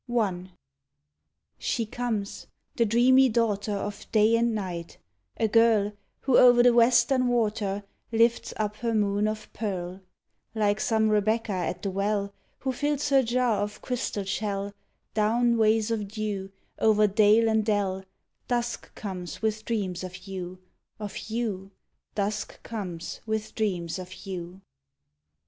I. She comes, the dreamy daughter Of day and night, a girl, Who o'er the western water Lifts up her moon of pearl: Like some Rebecca at the well, Who fills her jar of crystal shell, Down ways of dew, o'er dale and dell, Dusk comes with dreams of you, Of you, Dusk comes with dreams of you.